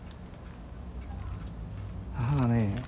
母がね